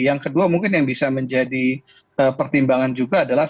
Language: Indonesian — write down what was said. yang kedua mungkin yang bisa menjadi pertimbangan juga adalah